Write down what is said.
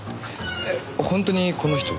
本当にこの人？